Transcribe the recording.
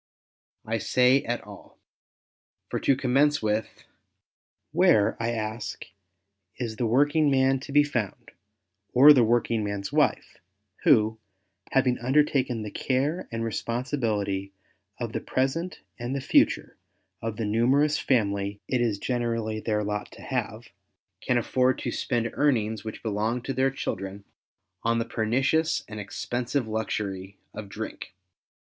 I say, at all. For to commence with — where, I ask, is the working man to be found, or the working man's wife, who, having undertaken the care and respon sibility (>f the present and the future of the numerous family it is generally their lot to have, can afibrd to spend earnings which belong to their children, on the pernicious and expensive luxury of drink?